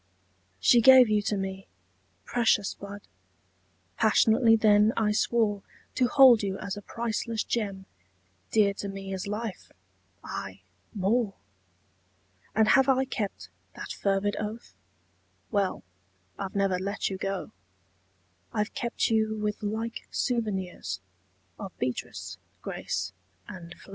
She gave you to me. Precious bud! Passionately then I swore To hold you as a priceless gem, Dear to me as life aye more! And have I kept that fervid oath? Well I've never let you go: I've kept you with like souvenirs Of Beatrice, Grace and Flo.